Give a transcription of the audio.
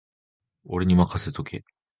俺にまかせとけ